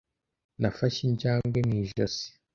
Nafashe injangwe mu ijosi.